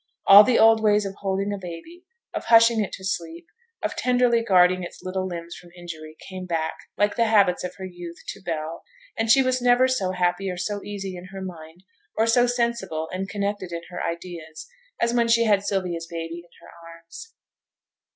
All the old ways of holding a baby, of hushing it to sleep, of tenderly guarding its little limbs from injury, came back, like the habits of her youth, to Bell; and she was never so happy or so easy in her mind, or so sensible and connected in her ideas, as when she had Sylvia's baby in her arms.